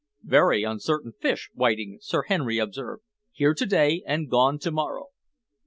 "Very uncertain fish, whiting," Sir Henry observed, "here to day and gone to morrow."